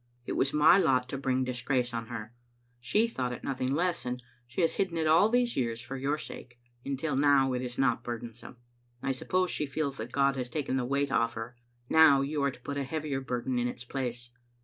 It was my lot to bring disgrace on her. She thought it nothing less, and she has hidden it all these years for your sake, until now it is not burdensome. I suppose she feels liat God has taken the weight oflE her. Now you are to put a heavier burden in its place."